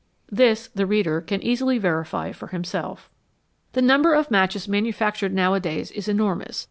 This the reader can easily verify for himself. The number of matches manufactured nowadays is enormous.